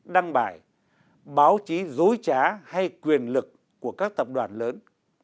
đăng bài báo chí dối trá hay quyền lực của các tập đoàn lớn